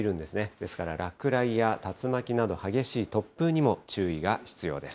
ですから、落雷や竜巻など、激しい突風にも注意が必要です。